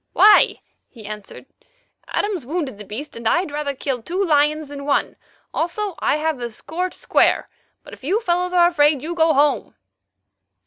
"Why?" he answered, "Adams wounded the beast, and I'd rather kill two lions than one; also I have a score to square. But if you fellows are afraid, you go home."